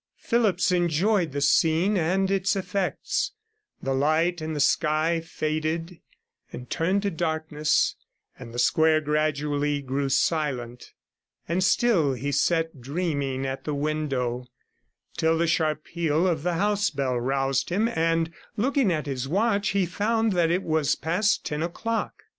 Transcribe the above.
Phillipps enjoyed the scene and its effects; the light in the sky faded and turned to darkness, and the square gradually grew silent, and still he sat dreaming at the window, till the sharp peal of the house bell roused him, and looking at his watch, he found that it was past ten o'clock.